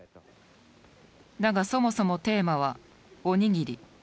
だがそもそもテーマはおにぎり。